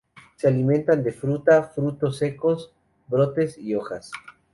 Se alimentan de fruta, frutos secos, brotes y hojas.